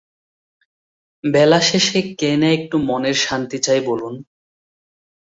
বেলা শেষে কে না একটু মনের শান্তি চায় বলুন?